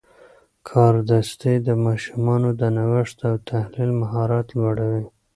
کاردستي د ماشومانو د نوښت او تخیل مهارت لوړوي.